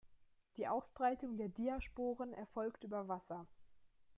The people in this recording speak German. Die Ausbreitung der Diasporen erfolgt über Wasser.